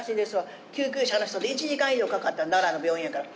救急車の人１時間以上かかった奈良の病院やから。